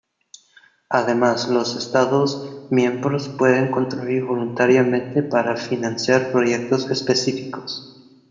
Además los estados miembros pueden contribuir voluntariamente para financiar proyectos específicos.